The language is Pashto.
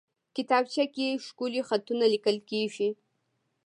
کتابچه کې ښکلي خطونه لیکل کېږي